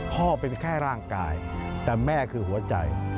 พ่อเป็นแค่ร่างกายแต่แม่คือหัวใจ